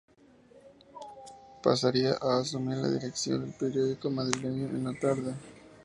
Pasaría a asumir la dirección del periódico madrileño "La Tarde.